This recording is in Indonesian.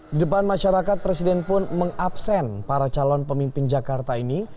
di depan masyarakat presiden pun mengabsen para calon pemimpin jakarta ini